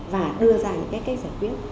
và đưa ra những cách giải quyết